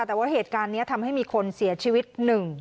แต่ว่าเหตุการณ์นี้ทำให้มีคนเสียชีวิตหนึ่ง